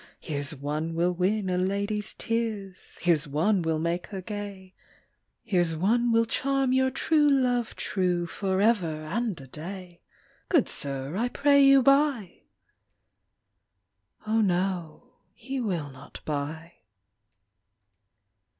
Here s one will win a lady s tears, Here s one will make her gay, Here s one will charm your true love true Forever and a day; Good sir, I pray you buy! O/z, wo, he will not buy.